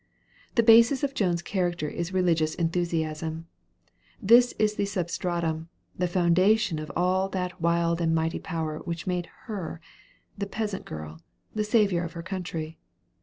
The basis of Joan's character is religious enthusiasm: this is the substratum, the foundation of all that wild and mighty power which made her, the peasant girl, the savior of her country.